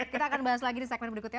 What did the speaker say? kita akan bahas lagi di segmen berikutnya